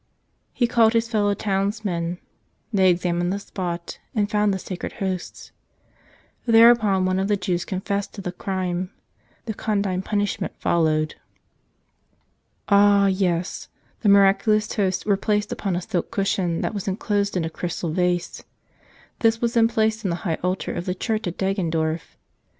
He called his fellow townsmen; they examined the spot and found the sacred Hosts. Thereupon one of the Jews confessed to the crime — and condign punishment followed. Ah, yes; the miraculous Hosts were placed upon a silk cushion that was enclosed in a crystal vase. This was then placed in the High Altar of the church at Deggendorf.